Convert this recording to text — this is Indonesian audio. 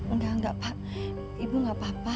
enggak enggak pak ibu gak apa apa